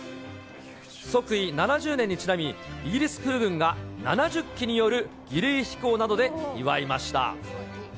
即位７０年にちなみ、イギリス空軍が７０機による儀礼飛行などで祝いました。